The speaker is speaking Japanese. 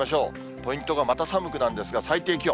ポイントがまた寒くなんですが、最低気温。